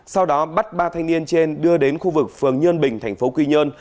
sau đó bắt ba thanh niên trên đưa đến khu vực phường nhơn bình thành phố quy nhơn